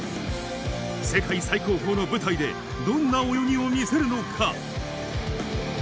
世界最高峰の舞台で、どんな泳ぎを見せるのか。